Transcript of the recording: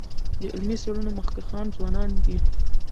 د علمي څېړنو مخکښان ځوانان دي.